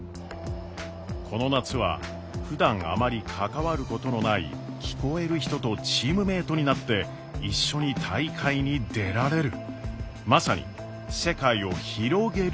この夏はふだんあまり関わることのない聞こえる人とチームメートになって一緒に大会に出られる。